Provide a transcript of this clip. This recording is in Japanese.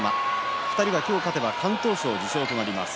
２人が今日勝てば敢闘賞受賞となります。